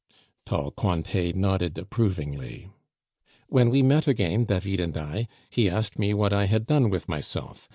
(Tall Cointet nodded approvingly.) "When we met again, David and I, he asked me what I had done with myself.